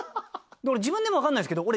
で俺自分でも分かんないんですけど。